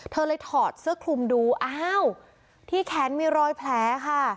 เธอเลยถอดเสื้อคลุมดูอ้าวที่แขนมีรอยแผลค่ะ